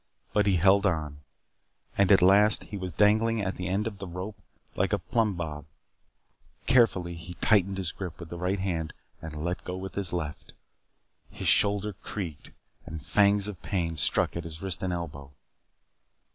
But he held on. And at last he was dangling at the end of the rope like a plumb bob. Carefully he tightened his grip with his right hand and let go with the left. His shoulder creaked, and fangs of pain struck at his wrist and elbow.